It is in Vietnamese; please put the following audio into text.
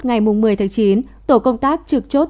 ngày một mươi chín tổ công tác trực chốt